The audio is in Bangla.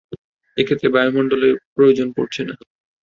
এক্ষেত্রে, বায়ুমন্ডলেরও প্রয়োজন পড়ছে না।